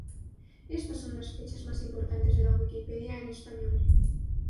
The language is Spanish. Estas son las fechas más importantes de la Wikipedia en español.